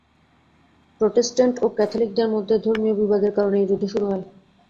Protestant ও ক্যাথলিকদের মধ্যে ধর্মীয় বিবাদের কারণে এ যুদ্ধ শুরু হয়।